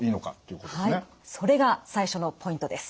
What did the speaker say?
それが最初のポイントです。